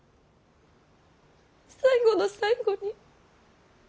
最後の最後に。